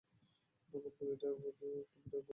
আমার প্রতি একটা বিরাট ভালবাসা।